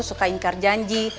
suka ingkar janji